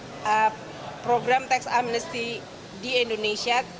tidak bisa dianggap sebagai suatu tindakan yang bisa menarik atau memicu investigasi kriminal